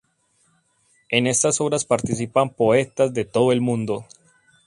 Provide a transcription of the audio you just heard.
En estas obras participan poetas de todo el mundo.